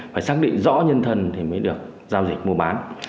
phải xác định rõ nhân thân thì mới được giao dịch mua bán